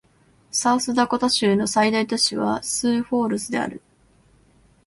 サウスダコタ州の最大都市はスーフォールズである